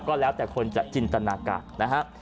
ก็แล้วแต่คนจะจินตนาการนะฮะ